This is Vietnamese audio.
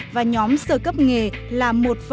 và nhóm sơ cấp nghề là một năm mươi một